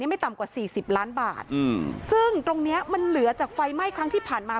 ไม่ต่ำกว่าสี่สิบล้านบาทอืมซึ่งตรงเนี้ยมันเหลือจากไฟไหม้ครั้งที่ผ่านมา